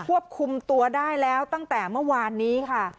ควบคุมตัวได้แล้วตั้งแต่เมื่อวานนี้ค่ะ